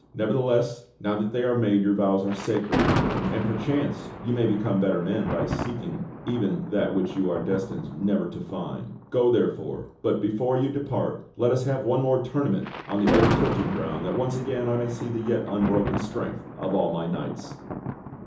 "Nevertheless, now that they are made, j^our vows are sacred. 116 THE STORY OF KING ARTHUR and perchance you may become better men by seeking even that which you are destined never to find. Go therefore, but before you depart let us have one more tournament on the old tilting ground that once again I may see the yet unbroken strength of all my knights."